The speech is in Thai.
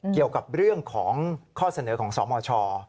เกี่ยวกับเรื่องของข้อเสนอของสมช